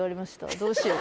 どうしよう。